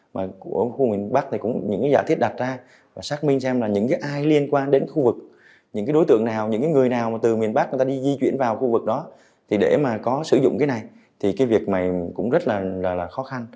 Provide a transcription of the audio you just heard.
mà ở khu miền bắc thì cũng những giả thiết đặt ra và xác minh xem là những ai liên quan đến khu vực những đối tượng nào những người nào từ miền bắc đi di chuyển vào khu vực đó để mà có sử dụng cái này thì cái việc này cũng rất là khó khăn